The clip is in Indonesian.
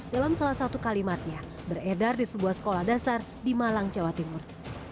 dalam salah satu kalimatnya beredar di sebuah sekolah dasar di malang jawa timur